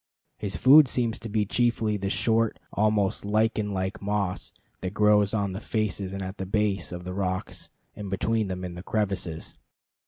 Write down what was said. His food seems to be chiefly the short, almost lichen like moss that grows on the faces and at the base of the rocks and between them in the crevices.